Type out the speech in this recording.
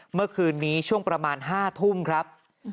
เมื่อคืนนี้ช่วงประมาณ๕ทุ่มครับ